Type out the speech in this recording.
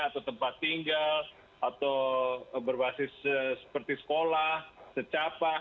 atau tempat tinggal atau berbasis seperti sekolah secapah